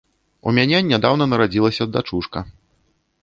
У мяне нядаўна нарадзілася дачушка.